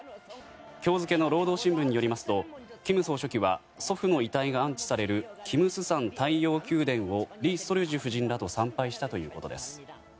今日付の労働新聞によりますと金総書記は祖父の遺体が安置されるクムスサン太陽宮殿にリ・ソルジュ夫人らと参拝したということです。